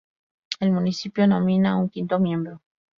El municipio nomina un quinto miembro.